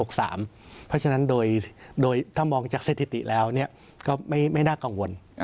เพราะฉะนั้นโดยถ้ามองจากสถิติแล้วก็ไม่น่ากังวล